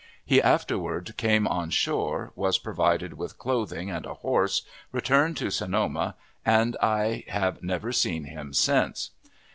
He afterward came on shore, was provided with clothing and a horse, returned to Sonoma, and I never have seen him since.